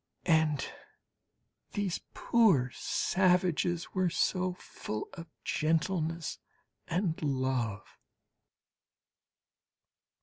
And these poor savages were so full of gentleness and love!